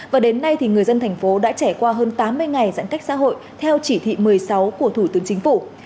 và đến nay người dân tp hcm đã trẻ qua hơn tám mươi ngày giãn cách xã hội theo chỉ thị một mươi sáu của thủ tướng chính phủ